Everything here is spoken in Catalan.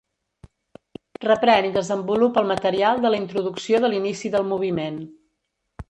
Reprèn i desenvolupa el material de la introducció de l'inici del moviment.